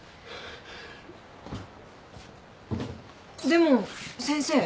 でも先生。